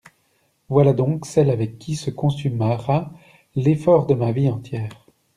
Voilà donc celle avec qui se consumera l'effort de ma vie entière.